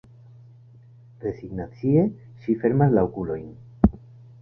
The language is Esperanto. Rezignacie, ŝi fermas la okulojn.